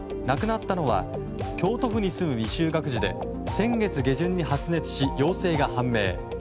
亡くなったのは京都府に住む未就学児で先月下旬に発熱し陽性が判明。